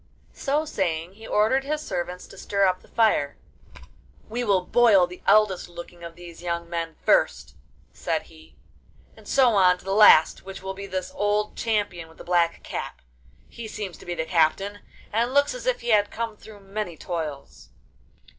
So saying he ordered his servants to stir up the fire: 'We will boil the eldest looking of these young men first,' said he, 'and so on to the last, which will be this old champion with the black cap. He seems to be the captain, and looks as if he had come through many toils.